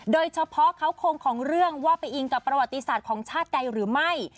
โดยเฉพาะเขาคงของเรื่องว่าไปอิงกับประวัติศาสตร์ของชาติใดหรือไม่